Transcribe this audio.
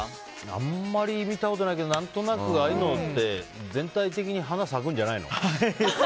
あんまり見たことないけど何となく、ああいうのって全体的に花が咲くんじゃないの？